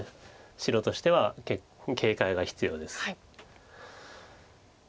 白としては警戒が必要です。